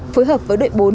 phối hợp với đội bốn